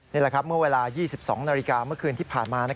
นี่แหละครับเมื่อเวลา๒๒นาฬิกาเมื่อคืนที่ผ่านมา